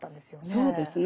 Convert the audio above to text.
そうですね。